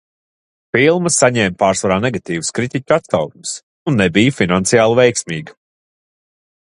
Filma saņēma pārsvarā negatīvas kritiķu atsauksmes un nebija finansiāli veiksmīga.